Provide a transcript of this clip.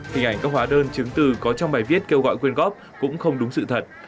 hình ảnh các hóa đơn chứng từ có trong bài viết kêu gọi quyên góp cũng không đúng sự thật